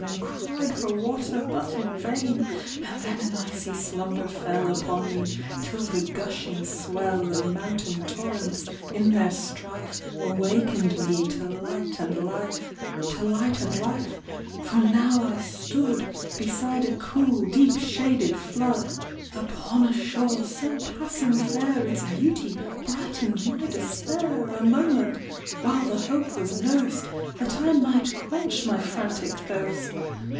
And cried for water, but in vain ; And then an icy slumber fell Upon me, till the gushing swell Of mountain torrents, in their strife, Awakened me to light and life, — To light and life, for now I stood Beside a cool, deep shaded flood, Upon a shore so passing fair Its beauty brightened my despair A moment, while the hope was nursed That I might quench my frantic thirst.